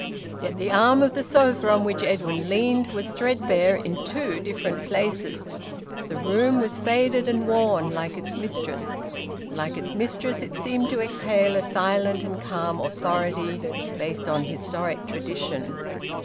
Yet the arm of the sofa on which Edwin leaned was threadbare in two different places. The room was faded and worn, like its mistress. Like its mistress it seemed to exhale a silent and calm authority, based on historic tradition.